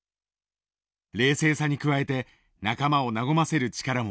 冷静さに加えて仲間を和ませる力も持つ。